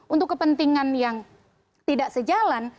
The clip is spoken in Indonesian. untuk kepentingan yang tidak sejalan